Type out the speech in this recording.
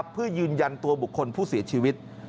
เพื่อยืนยันตัวบุคคลผู้เสียชีวิต